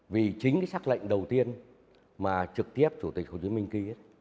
vì chính cái sắc lệnh đầu tiên mà trực tiếp chủ tịch hồ chí minh ký